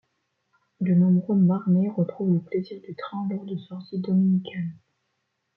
De nombreux Marnais retrouvent le plaisir du train lors de sorties dominicales.